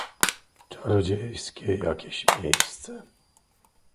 "Czarodziejskie jakieś miejsce."